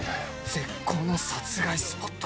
絶好の殺害スポット！